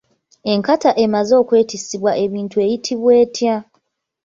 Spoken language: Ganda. Enkata emaze okwetissibwa ebintu eyitibwa etya?